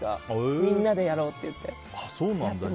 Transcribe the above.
みんなでやろうってやってます。